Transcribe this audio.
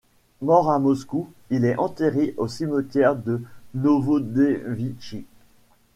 Mort à Moscou, il est enterré au cimetière de Novodevitchi.